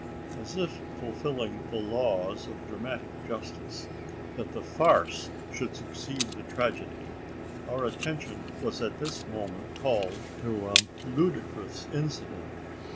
As if fulfilling the laws of dramatic justice that the farce should succeed the tragedy our attention was at this moment called to a ludicrous incident.